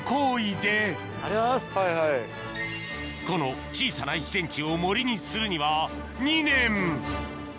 この小さな１ｃｍを森にするには２年！